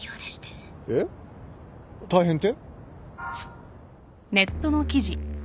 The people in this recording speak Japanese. えっ？大変って？